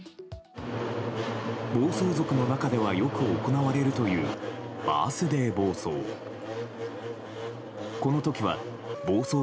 暴走族の中ではよく行われるというバースデー暴走。